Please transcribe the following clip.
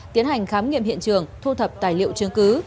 tiến hành khám nghiệm hiện trường thu thập tài liệu chứng cứ